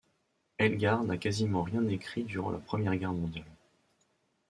Elgar n'a quasiment rien écrit durant la Première Guerre mondiale.